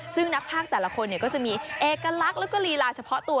ซึ่งนักภาคแต่ละคนก็จะมีเอกลักษณ์แล้วก็ลีลาเฉพาะตัว